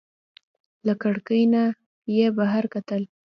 له کړکۍ نه یې بهر کتل.